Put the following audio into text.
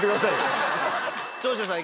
長州さん